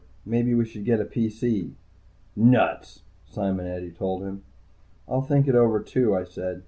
Maybe we should get a PC." "Nuts," Simonetti told him. "I'll think it over, too," I said.